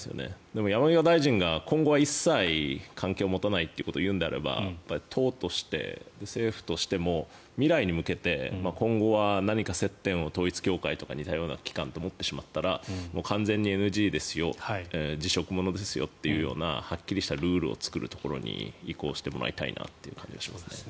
でも山際大臣が今後は一切、関係を持たないということを言うのであれば党として政府としても未来に向けて今後は何か接点を統一教会とか似たような機関と持ってしまったら完全にＮＧですよ辞職ものですよというようなはっきりしたルールを作るところに移行してもらいたいなと思いますね。